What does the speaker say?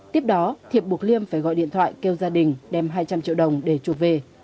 tiếp đó thiệp buộc liêm phải gọi điện thoại kêu gia đình đem hai trăm linh triệu đồng để chuộc về